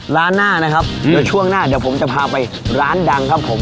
ร้านหน้านะครับเดี๋ยวช่วงหน้าเดี๋ยวผมจะพาไปร้านดังครับผม